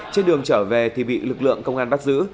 trên đường trở về thì bị lực lượng công an bắt giữ